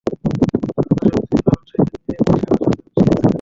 সত্তর দশকে তিনি লালন সাঁইকে নিয়ে একটি সাড়া জাগানো সিরিজ করেছিলেন।